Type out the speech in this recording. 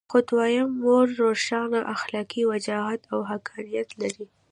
خو دویم مورد روښانه اخلاقي وجاهت او حقانیت لري.